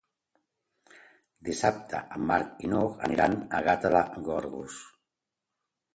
Dissabte en Marc i n'Hug aniran a Gata de Gorgos.